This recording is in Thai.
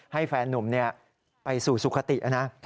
ให้แฟนนุ่มไปสู่สุขตินะ